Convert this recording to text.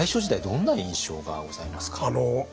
どんな印象がございますか？